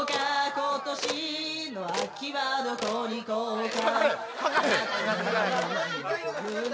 今年の秋はどこに行こうか？